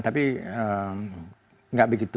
tapi tidak begitu